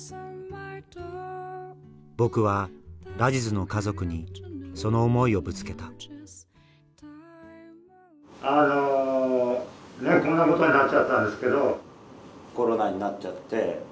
僕はラジズの家族にその思いをぶつけたあのこんなことになっちゃったんですけどコロナになっちゃって。